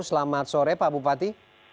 selamat sore pak bupati